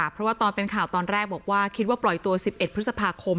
เพราะว่าตอนเป็นข่าวตอนแรกบอกว่าคิดว่าปล่อยตัว๑๑พฤษภาคม